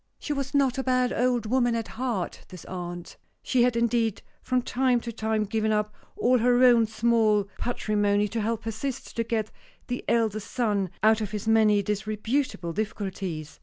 She was not a bad old woman at heart, this aunt. She had indeed from time to time given up all her own small patrimony to help her sister to get the eldest son out of his many disreputable difficulties.